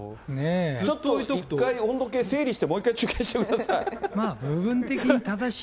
ちょっと、１回温度計、整理してもう一回中継してください。